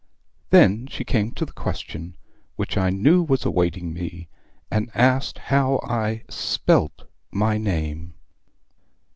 "Then she came to the question, which I knew was awaiting me, and asked how I SPELT my name?